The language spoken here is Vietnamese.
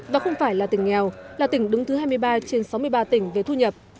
và không phải là tỉnh nghèo là tỉnh đứng thứ hai mươi ba trên sáu mươi ba tỉnh về thu nhập